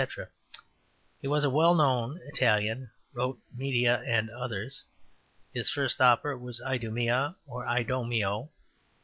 (2) He was a well known Italian, wrote Medea, and others. (3) His first opera was Idumea, or Idomeo.